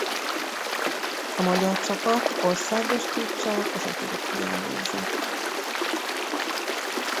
A magyar csapat országos csúccsal az ötödik helyen végzett.